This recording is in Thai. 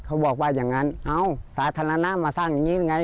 เขาบอกว่าอย่างนั้นเอาสาธารณะมาสร้างอย่างนี้ไง